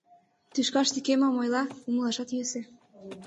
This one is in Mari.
Тӱшкаште кӧ мом ойла, умылашат йӧсӧ.